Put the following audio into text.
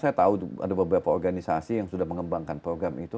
saya tahu ada beberapa organisasi yang sudah mengembangkan program itu